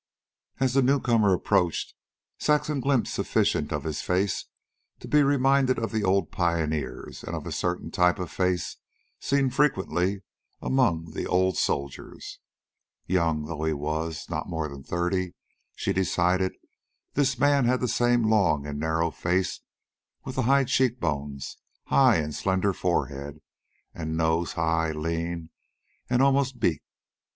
As the newcomer approached, Saxon glimpsed sufficient of his face to be reminded of the old pioneers and of a certain type of face seen frequently among the old soldiers: Young though he was not more than thirty, she decided this man had the same long and narrow face, with the high cheekbones, high and slender forehead, and nose high, lean, and almost beaked.